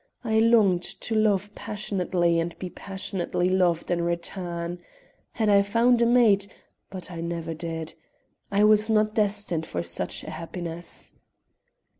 I longed to love passionately and be passionately loved in return. Had I found a mate but I never did. I was not destined for any such happiness.